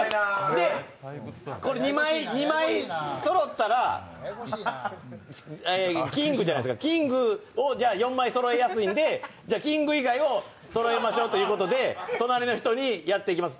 で、２枚そろったらキングじゃないですかキングを４枚そろえやすいんでじゃあ、キング以外をそろえましょうということで隣の人にやっていきます。